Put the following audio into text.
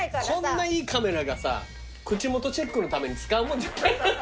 こんないいカメラがさ口元チェックのために使うもんじゃ。